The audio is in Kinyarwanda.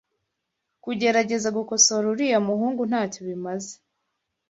Kugerageza gukosora uriya muhungu ntacyo bimaze.